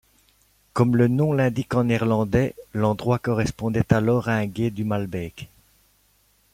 Comme le nom l'indique en néerlandais, l'endroit correspondait alors à un gué du Maelbeek.